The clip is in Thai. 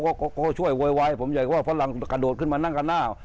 เขาก็ช่วยโวยวายผมอยากว่าฝรั่งกระโดดขึ้นมานั่งกันหน้า